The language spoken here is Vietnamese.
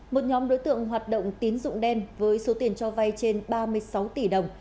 một nhóm đối tượng hoạt động tín dụng đen với số tiền cho vay trên ba mươi sáu tỷ đồng